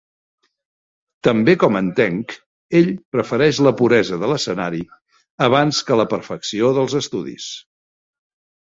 També com en Tench, ell prefereix la puresa de l"escenari abans que la perfecció dels estudis.